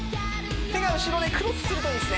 手が後ろでクロスするといいですね